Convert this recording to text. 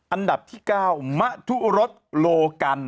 อันดับที่๙มะทุรสโลกัน